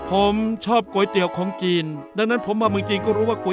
ผมชอบก๋วยเตี๋ยวของจีนดังนั้นผมมาเมืองจีนก็รู้ว่าก๋ว